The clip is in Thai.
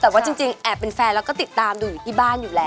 แต่ว่าจริงแอบเป็นแฟนแล้วก็ติดตามดูอยู่ที่บ้านอยู่แล้ว